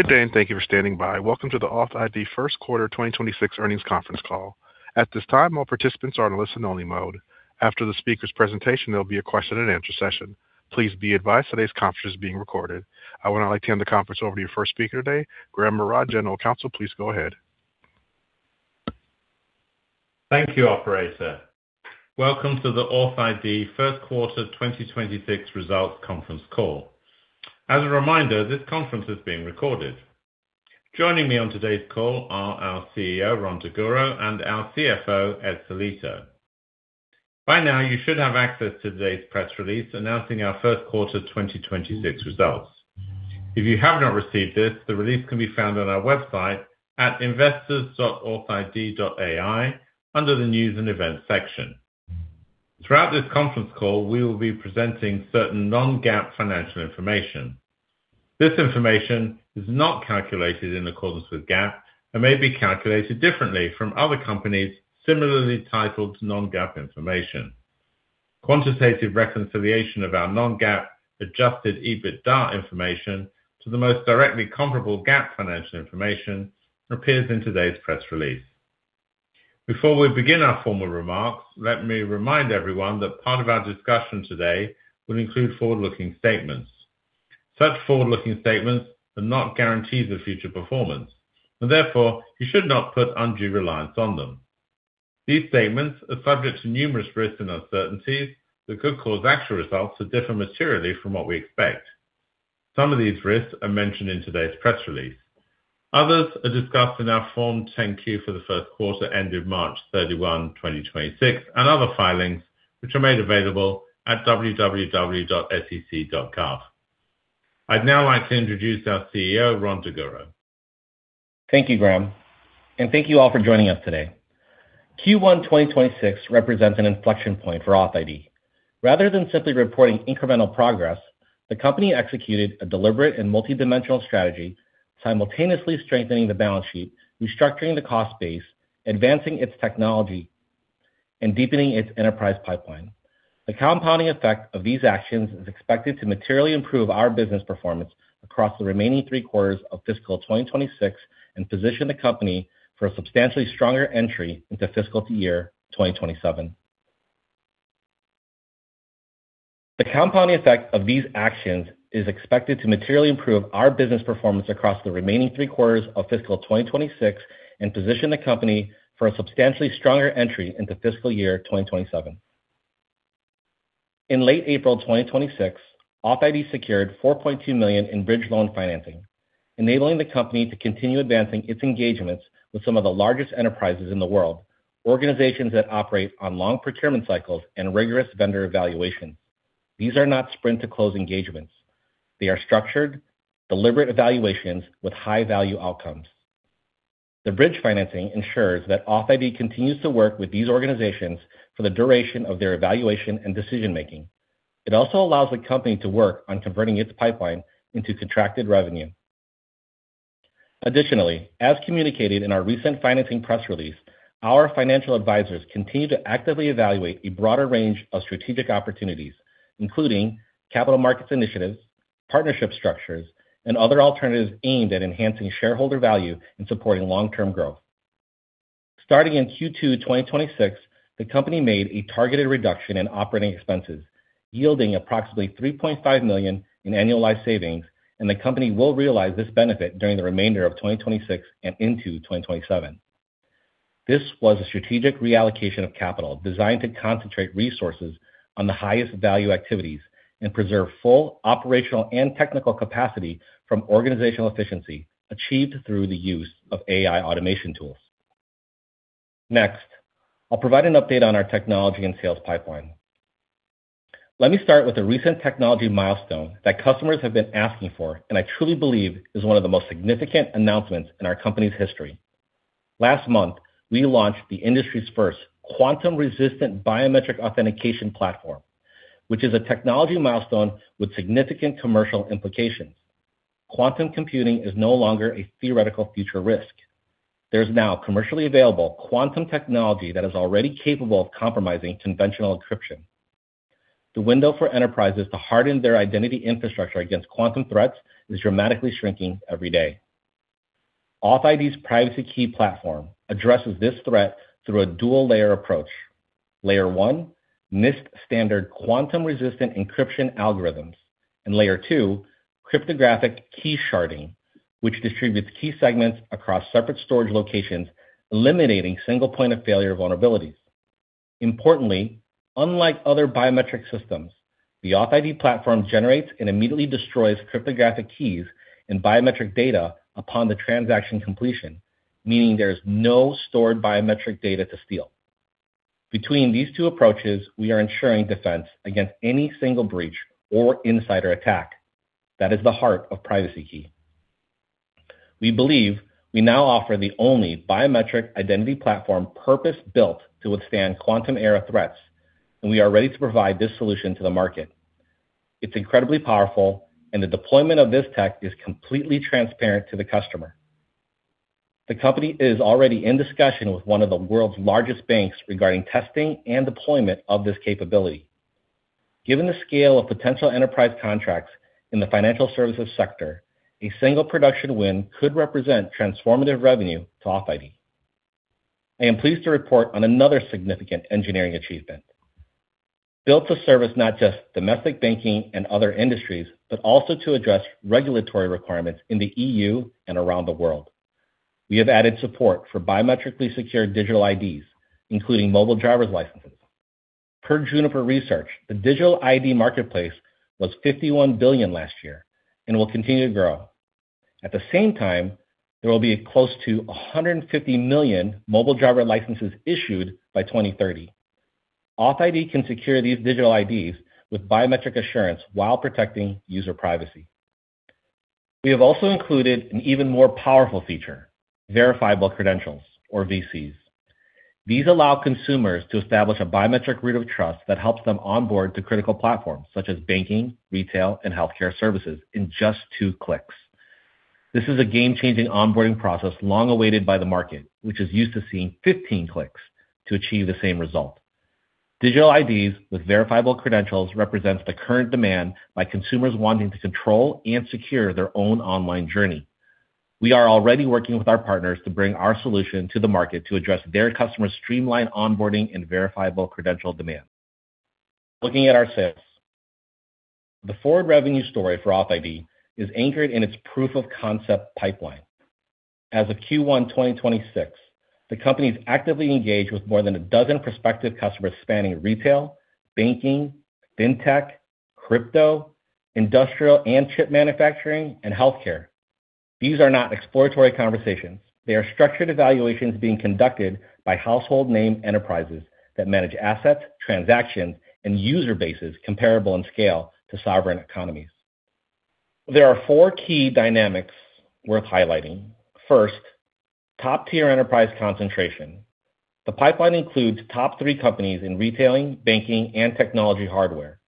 Good day, thank you for standing by. Welcome to the authID first quarter 2026 earnings conference call. At this time, all participants are in a listen only mode. After the speaker's presentation, there'll be a question and answer session. Please be advised today's conference is being recorded. I would now like to hand the conference over to your first speaker today, Graham Arad, General Counsel. Please go ahead. Thank you, operator. Welcome to the authID first quarter 2026 results conference call. As a reminder, this conference is being recorded. Joining me on today's call are our CEO, Rhon Daguro, and our CFO, Ed Sellitto. By now, you should have access to today's press release announcing our first quarter 2026 results. If you have not received this, the release can be found on our website at investors.authid.ai under the news and events section. Throughout this conference call, we will be presenting certain non-GAAP financial information. This information is not calculated in accordance with GAAP and may be calculated differently from other companies similarly titled to non-GAAP information. Quantitative reconciliation of our non-GAAP adjusted EBITDA information to the most directly comparable GAAP financial information appears in today's press release. Before we begin our formal remarks, let me remind everyone that part of our discussion today will include forward-looking statements. Such forward-looking statements are not guarantees of future performance, and therefore you should not put undue reliance on them. These statements are subject to numerous risks and uncertainties that could cause actual results to differ materially from what we expect. Some of these risks are mentioned in today's press release. Others are discussed in our Form 10-Q for the first quarter ended March 31, 2026, and other filings which are made available at www.sec.gov. I'd now like to introduce our CEO, Rhon Daguro. Thank you, Graham, and thank you all for joining us today. Q1 2026 represents an inflection point for authID. Rather than simply reporting incremental progress, the company executed a deliberate and multidimensional strategy, simultaneously strengthening the balance sheet, restructuring the cost base, advancing its technology, and deepening its enterprise pipeline. The compounding effect of these actions is expected to materially improve our business performance across the remaining three quarters of fiscal 2026 and position the company for a substantially stronger entry into fiscal year 2027. The compounding effect of these actions is expected to materially improve our business performance across the remaining three quarters of fiscal 2026 and position the company for a substantially stronger entry into fiscal year 2027. In late April 2026, authID secured $4.2 million in bridge loan financing, enabling the company to continue advancing its engagements with some of the largest enterprises in the world, organizations that operate on long procurement cycles and rigorous vendor evaluation. These are not sprint to close engagements. They are structured, deliberate evaluations with high value outcomes. The bridge financing ensures that authID continues to work with these organizations for the duration of their evaluation and decision-making. It also allows the company to work on converting its pipeline into contracted revenue. Additionally, as communicated in our recent financing press release, our financial advisors continue to actively evaluate a broader range of strategic opportunities, including capital markets initiatives, partnership structures, and other alternatives aimed at enhancing shareholder value and supporting long-term growth. Starting in Q2 2026, the company made a targeted reduction in operating expenses, yielding approximately $3.5 million in annualized savings. The company will realize this benefit during the remainder of 2026 and into 2027. This was a strategic reallocation of capital designed to concentrate resources on the highest value activities and preserve full operational and technical capacity from organizational efficiency achieved through the use of AI automation tools. Next, I'll provide an update on our technology and sales pipeline. Let me start with a recent technology milestone that customers have been asking for and I truly believe is one of the most significant announcements in our company's history. Last month, we launched the industry's first quantum-resistant biometric authentication platform, which is a technology milestone with significant commercial implications. Quantum computing is no longer a theoretical future risk. There's now commercially available quantum technology that is already capable of compromising conventional encryption. The window for enterprises to harden their identity infrastructure against quantum threats is dramatically shrinking every day. authID's PrivacyKey platform addresses this threat through a dual layer approach: Layer one, NIST standard quantum resistant encryption algorithms. Layer two, cryptographic key sharding, which distributes key segments across separate storage locations, eliminating single point of failure vulnerabilities. Importantly, unlike other biometric systems, the authID platform generates and immediately destroys cryptographic keys and biometric data upon the transaction completion, meaning there is no stored biometric data to steal. Between these two approaches, we are ensuring defense against any single breach or insider attack. That is the heart of PrivacyKey. We believe we now offer the only biometric identity platform purpose-built to withstand quantum era threats, and we are ready to provide this solution to the market. It's incredibly powerful, and the deployment of this tech is completely transparent to the customer. The company is already in discussion with one of the world's largest banks regarding testing and deployment of this capability. Given the scale of potential enterprise contracts in the financial services sector, a single production win could represent transformative revenue to authID. I am pleased to report on another significant engineering achievement. Built to service not just domestic banking and other industries, but also to address regulatory requirements in the EU and around the world. We have added support for biometrically secured digital IDs, including mobile driver licenses. Per Juniper Research, the digital ID marketplace was $51 billion last year and will continue to grow. At the same time, there will be close to 150 million mobile driver licenses issued by 2030. AuthID can secure these digital IDs with biometric assurance while protecting user privacy. We have also included an even more powerful feature, verifiable credentials or VCs. These allow consumers to establish a biometric root of trust that helps them onboard to critical platforms such as banking, retail, and healthcare services in just two clicks. This is a game-changing onboarding process long awaited by the market, which is used to seeing 15 clicks to achieve the same result. Digital IDs with verifiable credentials represents the current demand by consumers wanting to control and secure their own online journey. We are already working with our partners to bring our solution to the market to address their customers' streamlined onboarding and verifiable credential demand. Looking at our sales. The forward revenue story for AuthID is anchored in its proof of concept pipeline. As of Q1 2026, the company is actively engaged with more than 12 prospective customers spanning retail, banking, fintech, crypto, industrial and chip manufacturing, and healthcare. These are not exploratory conversations. They are structured evaluations being conducted by household name enterprises that manage assets, transactions, and user bases comparable in scale to sovereign economies. There are four key dynamics worth highlighting. First, top-tier enterprise concentration. The pipeline includes top three companies in retailing, banking, and technology hardware.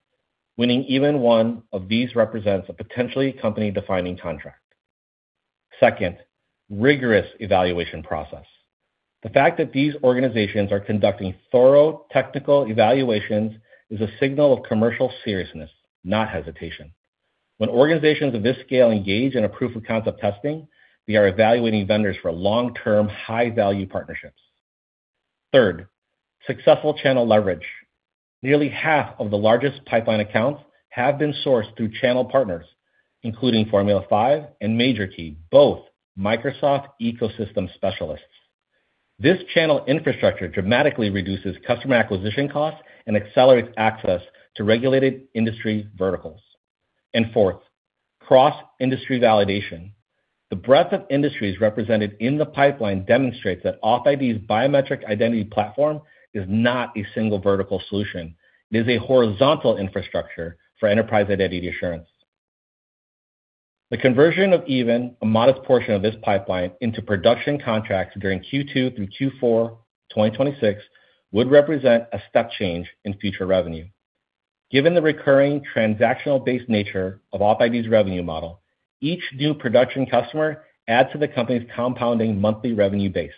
Winning even one of these represents a potentially company-defining contract. Second, rigorous evaluation process. The fact that these organizations are conducting thorough technical evaluations is a signal of commercial seriousness, not hesitation. When organizations of this scale engage in a proof of concept testing, they are evaluating vendors for long-term, high-value partnerships. Third, successful channel leverage. Nearly half of the largest pipeline accounts have been sourced through channel partners, including Formula5 and MajorKey, both Microsoft ecosystem specialists. This channel infrastructure dramatically reduces customer acquisition costs and accelerates access to regulated industry verticals. Fourth, cross-industry validation. The breadth of industries represented in the pipeline demonstrates that authID's biometric identity platform is not a single vertical solution. It is a horizontal infrastructure for enterprise identity assurance. The conversion of even a modest portion of this pipeline into production contracts during Q2 through Q4 2026 would represent a step change in future revenue. Given the recurring transactional-based nature of authID's revenue model, each new production customer adds to the company's compounding monthly revenue base.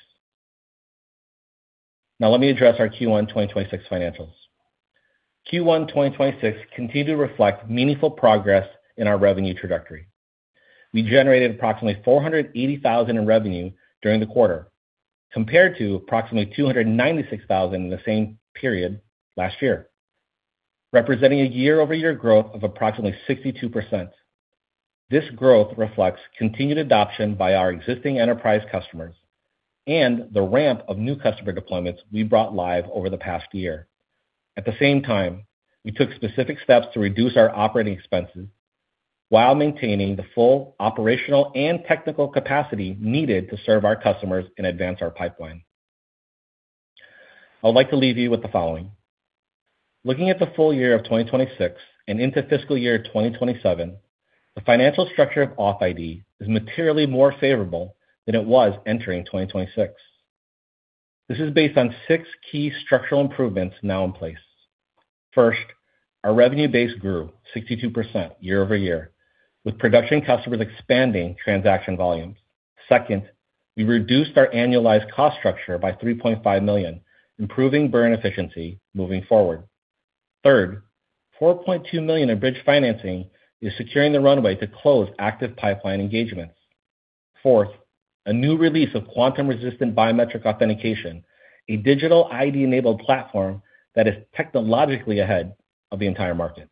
Now let me address our Q1 2026 financials. Q1 2026 continued to reflect meaningful progress in our revenue trajectory. We generated approximately $480,000 in revenue during the quarter, compared to approximately $296,000 in the same period last year, representing a year-over-year growth of approximately 62%. This growth reflects continued adoption by our existing enterprise customers and the ramp of new customer deployments we brought live over the past year. At the same time, we took specific steps to reduce our operating expenses while maintaining the full operational and technical capacity needed to serve our customers and advance our pipeline. I would like to leave you with the following. Looking at the full year of 2026 and into fiscal year 2027, the financial structure of authID is materially more favorable than it was entering 2026. This is based on six key structural improvements now in place. First, our revenue base grew 62% year-over-year, with production customers expanding transaction volumes. Second, we reduced our annualized cost structure by $3.5 million, improving burn efficiency moving forward. Third, $4.2 million in bridge financing is securing the runway to close active pipeline engagements. Fourth, a new release of quantum-resistant biometric authentication, a digital ID-enabled platform that is technologically ahead of the entire market.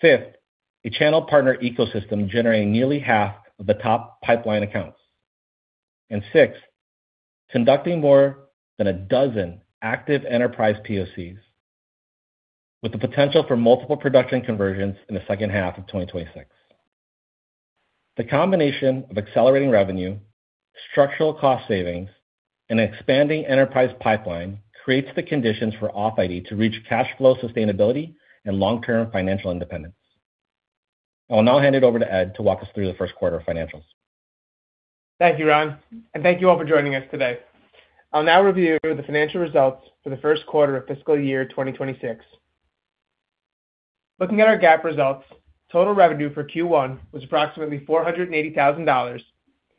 Fifth, a channel partner ecosystem generating nearly half of the top pipeline accounts. Sixth, conducting more than 12 active enterprise POCs with the potential for multiple production conversions in the second half of 2026. The combination of accelerating revenue, structural cost savings, and expanding enterprise pipeline creates the conditions for authID to reach cash flow sustainability and long-term financial independence. I will now hand it over to Ed Sellitto to walk us through the first quarter financials. Thank you, Rhon, and thank you all for joining us today. I'll now review the financial results for the first quarter of fiscal year 2026. Looking at our GAAP results, total revenue for Q1 was approximately $480,000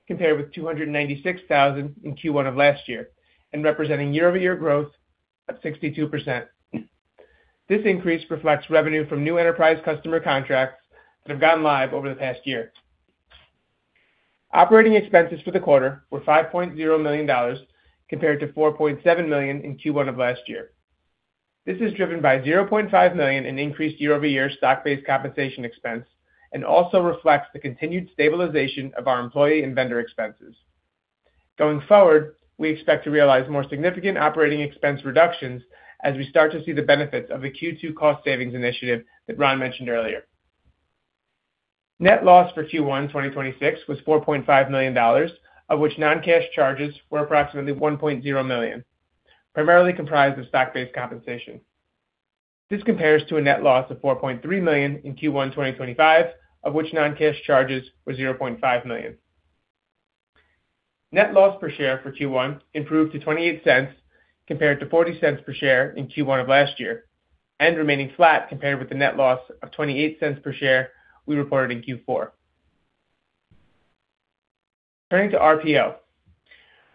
compared with $296,000 in Q1 of last year, and representing year-over-year growth of 62%. This increase reflects revenue from new enterprise customer contracts that have gone live over the past year. Operating expenses for the quarter were $5.0 million compared to $4.7 million in Q1 of last year. This is driven by $0.5 million in increased year-over-year stock-based compensation expense and also reflects the continued stabilization of our employee and vendor expenses. Going forward, we expect to realize more significant operating expense reductions as we start to see the benefits of the Q2 cost savings initiative that Rhon mentioned earlier. Net loss for Q1 2026 was $4.5 million, of which non-cash charges were approximately $1.0 million, primarily comprised of stock-based compensation. This compares to a net loss of $4.3 million in Q1 2025, of which non-cash charges were $0.5 million. Net loss per share for Q1 improved to $0.28 compared to $0.40 per share in Q1 of last year and remaining flat compared with the net loss of $0.28 per share we reported in Q4. Turning to RPO.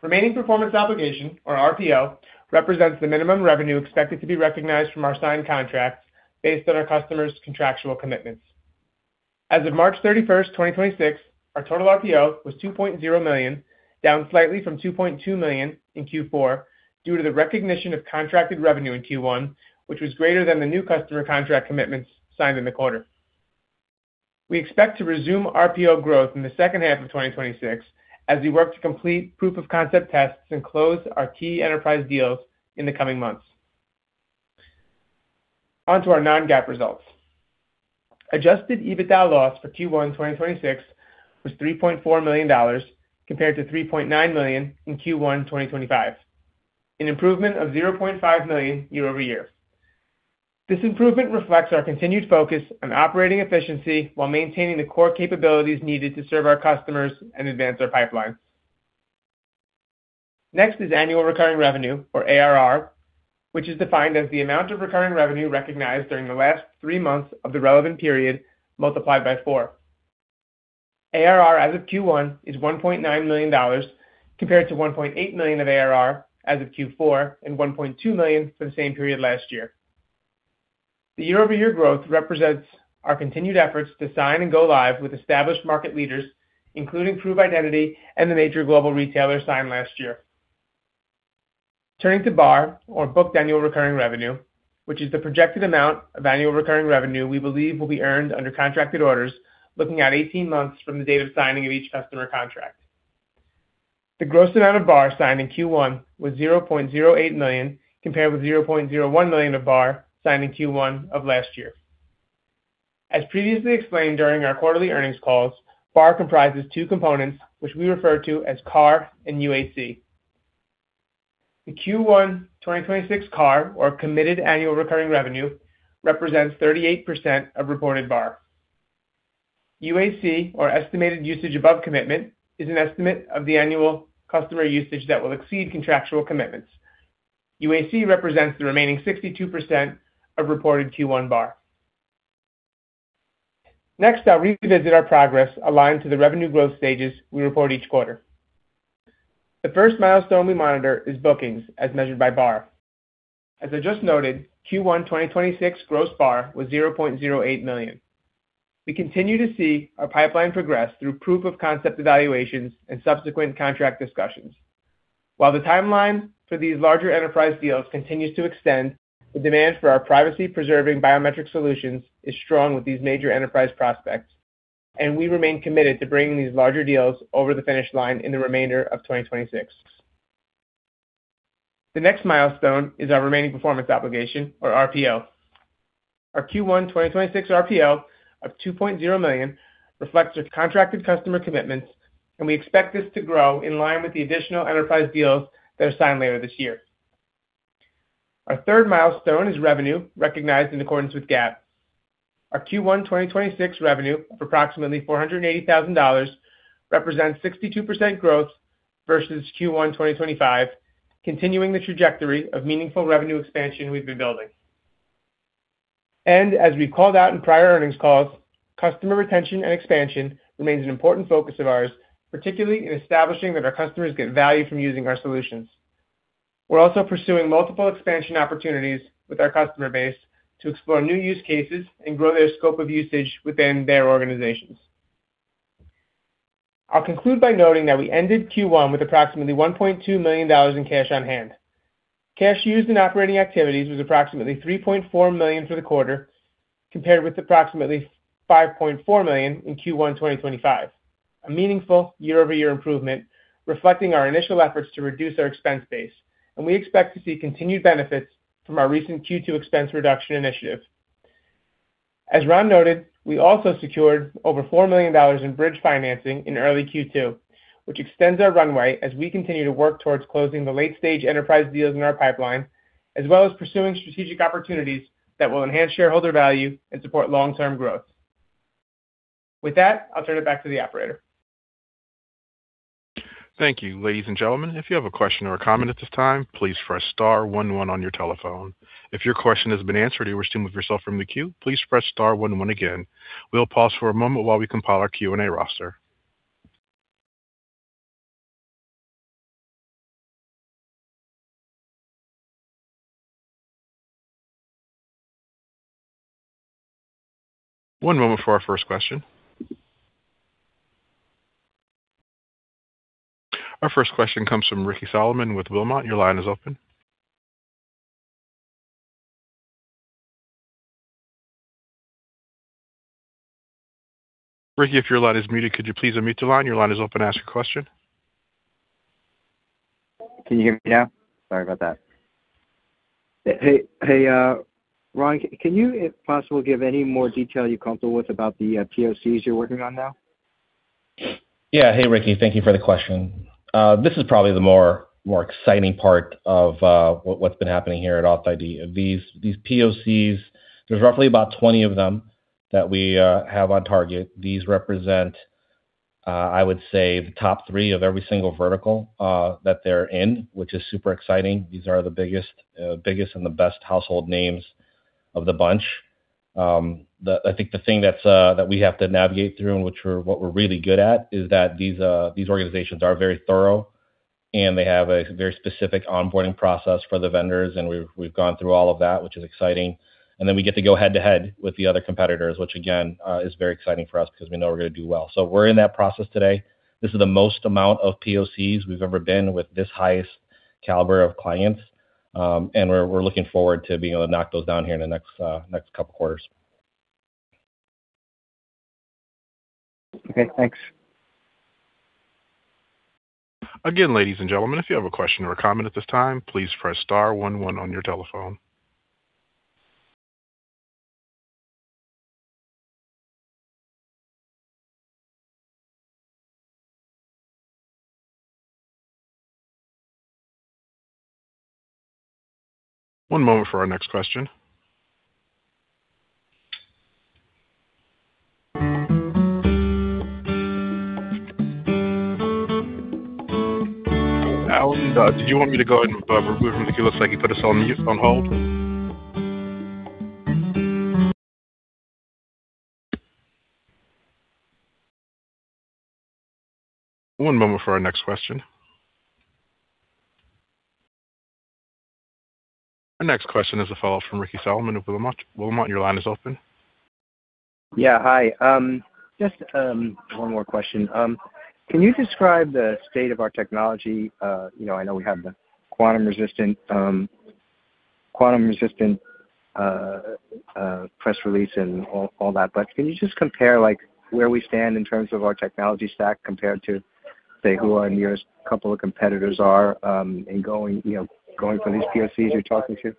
Remaining performance obligation, or RPO, represents the minimum revenue expected to be recognized from our signed contracts based on our customers' contractual commitments. As of March 31, 2026, our total RPO was $2.0 million, down slightly from $2.2 million in Q4 due to the recognition of contracted revenue in Q1, which was greater than the new customer contract commitments signed in the quarter. We expect to resume RPO growth in the second half of 2026 as we work to complete proof of concept tests and close our key enterprise deals in the coming months. Onto our non-GAAP results. Adjusted EBITDA loss for Q1 2026 was $3.4 million compared to $3.9 million in Q1 2025, an improvement of $0.5 million year-over-year. This improvement reflects our continued focus on operating efficiency while maintaining the core capabilities needed to serve our customers and advance our pipelines. Next is annual recurring revenue, or ARR, which is defined as the amount of recurring revenue recognized during the last three months of the relevant period multiplied by four. ARR as of Q1 is $1.9 million compared to $1.8 million of ARR as of Q4 and $1.2 million for the same period last year. The year-over-year growth represents our continued efforts to sign and go live with established market leaders, including Prove Identity and the major global retailer signed last year. Turning to BAR, or booked annual recurring revenue, which is the projected amount of annual recurring revenue we believe will be earned under contracted orders looking at 18 months from the date of signing of each customer contract. The gross amount of BAR signed in Q1 was $0.08 million compared with $0.01 million of BAR signed in Q1 of last year. As previously explained during our quarterly earnings calls, BAR comprises two components, which we refer to as CAR and UAC. The Q1 2026 CAR, or committed annual recurring revenue, represents 38% of reported BAR. UAC, or estimated usage above commitment, is an estimate of the annual customer usage that will exceed contractual commitments. UAC represents the remaining 62% of reported Q1 BAR. Next, I'll revisit our progress aligned to the revenue growth stages we report each quarter. The first milestone we monitor is bookings as measured by BAR. As I just noted, Q1 2026 gross BAR was $0.08 million. We continue to see our pipeline progress through proof of concept evaluations and subsequent contract discussions. While the timeline for these larger enterprise deals continues to extend, the demand for our privacy-preserving biometric solutions is strong with these major enterprise prospects, and we remain committed to bringing these larger deals over the finish line in the remainder of 2026. The next milestone is our remaining performance obligation or RPO. Our Q1 2026 RPO of $2.0 million reflects our contracted customer commitments, and we expect this to grow in line with the additional enterprise deals that are signed later this year. Our third milestone is revenue recognized in accordance with GAAP. Our Q1 2026 revenue of approximately $480,000 represents 62% growth versus Q1 2025, continuing the trajectory of meaningful revenue expansion we've been building. As we called out in prior earnings calls, customer retention and expansion remains an important focus of ours, particularly in establishing that our customers get value from using our solutions. We're also pursuing multiple expansion opportunities with our customer base to explore new use cases and grow their scope of usage within their organizations. I'll conclude by noting that we ended Q1 with approximately $1.2 million in cash on hand. Cash used in operating activities was approximately $3.4 million for the quarter, compared with approximately $5.4 million in Q1 2025, a meaningful year-over-year improvement reflecting our initial efforts to reduce our expense base. We expect to see continued benefits from our recent Q2 expense reduction initiative. As Rhon noted, we also secured over $4 million in bridge financing in early Q2, which extends our runway as we continue to work towards closing the late-stage enterprise deals in our pipeline, as well as pursuing strategic opportunities that will enhance shareholder value and support long-term growth. With that, I'll turn it back to the operator. Thank you. Ladies and gentlemen, if you have a question or a comment at this time, please press star one one on your telephone. If your question has been answered or you wish to remove yourself from the queue, please press star one one again. We'll pause for a moment while we compile our Q&A roster. One moment for our first question. Our first question comes from Ricky Solomon with Wilmot. Your line is open. Ricky, if your line is muted, could you please unmute the line? Your line is open to ask a question. Can you hear me now? Sorry about that. Hey, Rhon, can you, if possible, give any more detail you're comfortable with about the POCs you're working on now? Yeah. Hey, Ricky. Thank you for the question. This is probably the more exciting part of what's been happening here at authID. These POCs, there's roughly about 20 of them that we have on target. These represent, I would say, the top three of every single vertical that they're in, which is super exciting. These are the biggest and the best household names of the bunch. I think the thing that's that we have to navigate through, and what we're really good at, is that these organizations are very thorough, and they have a very specific onboarding process for the vendors, and we've gone through all of that, which is exciting. We get to go head-to-head with the other competitors, which again, is very exciting for us because we know we're gonna do well. We're in that process today. This is the most amount of POCs we've ever been with this highest caliber of clients. We're looking forward to being able to knock those down here in the next couple of quarters. Okay, thanks. Again, ladies and gentlemen, if you have a question or a comment at this time, please press star one one on your telephone. One moment for our next question. Alan, do you want me to go ahead and remove him because he put us on mute, on hold? One moment for our next question. Our next question is a follow-up from Ricky Solomon with Wilmot. Wilmot, your line is open. Yeah, hi. Just one more question. Can you describe the state of our technology? You know, I know we have the quantum resistant press release and all that. Can you just compare, like, where we stand in terms of our technology stack compared to, say, who our nearest couple of competitors are, in going, you know, going for these POCs you're talking to?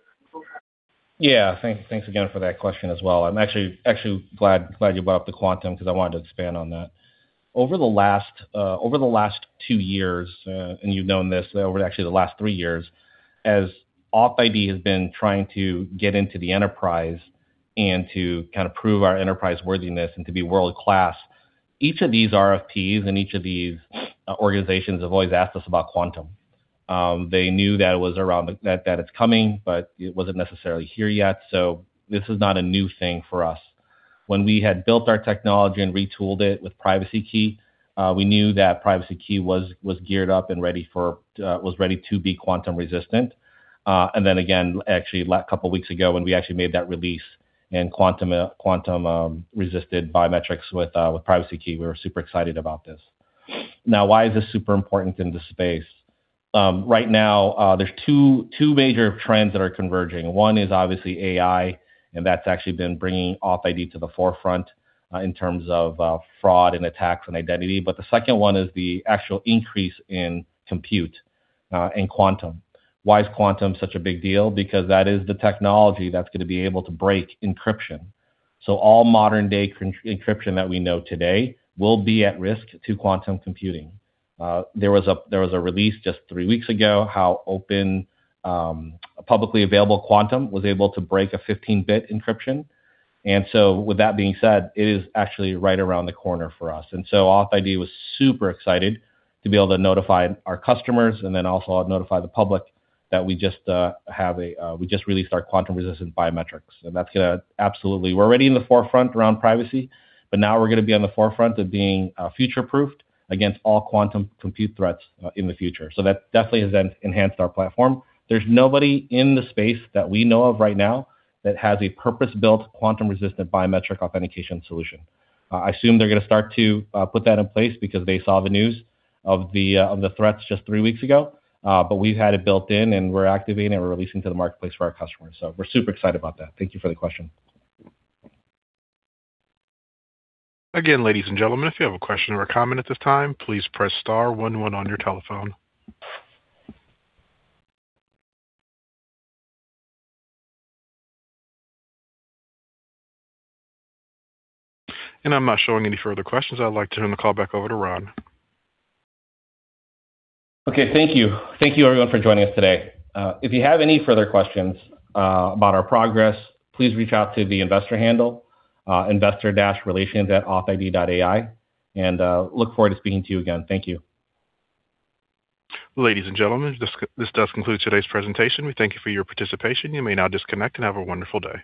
Yeah. Thanks again for that question as well. I'm actually glad you brought up the quantum because I wanted to expand on that. Over the last over the last two years, and you've known this, over actually the last three years, as authID has been trying to get into the enterprise and to kind of prove our enterprise worthiness and to be world-class, each of these RFPs and each of these organizations have always asked us about quantum. They knew that it was that it's coming, but it wasn't necessarily here yet. This is not a new thing for us. When we had built our technology and retooled it with PrivacyKey, we knew that PrivacyKey was geared up and ready for, was ready to be quantum resistant. Actually last couple weeks ago when we actually made that release in quantum resistant biometrics with PrivacyKey, we were super excited about this. Why is this super important in this space? Right now, there's two major trends that are converging. One is obviously AI, and that's actually been bringing authID to the forefront in terms of fraud and attacks on identity. The second one is the actual increase in compute in quantum. Why is quantum such a big deal? That is the technology that's gonna be able to break encryption. All modern-day encryption that we know today will be at risk to quantum computing. There was a release just three weeks ago, how open a publicly available quantum was able to break a 15-bit encryption. With that being said, it is actually right around the corner for us. authID was super excited to be able to notify our customers and then also notify the public that we just released our quantum-resistant biometrics. We're already in the forefront around privacy, but now we're gonna be on the forefront of being future-proofed against all quantum compute threats in the future. That definitely has then enhanced our platform. There's nobody in the space that we know of right now that has a purpose-built quantum-resistant biometric authentication solution. I assume they're gonna start to put that in place because they saw the news of the threats just three weeks ago. We've had it built in, and we're activating, and we're releasing to the marketplace for our customers. We're super excited about that. Thank you for the question. Again, ladies and gentlemen, if you have a question or a comment at this time, please press star one one on your telephone. I'm not showing any further questions. I'd like to turn the call back over to Rhon Daguro. Okay. Thank you. Thank you everyone for joining us today. If you have any further questions about our progress, please reach out to the investor handle, investor-relations@authid.ai. Look forward to speaking to you again. Thank you. Ladies and gentlemen, this does conclude today's presentation. We thank you for your participation. You may now disconnect and have a wonderful day.